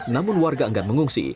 namun warga enggak mengungsi